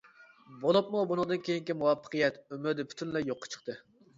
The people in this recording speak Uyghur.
بولۇپمۇ بۇنىڭدىن كېيىنكى مۇۋەپپەقىيەت ئۈمىدى پۈتۈنلەي يوققا چىقتى.